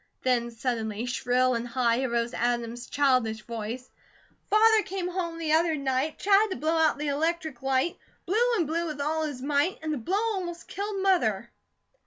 Then suddenly, shrill and high, arose Adam's childish voice: "Father came home the other night, Tried to blow out the 'lectric light, Blew and blew with all his might, And the blow almost killed Mother."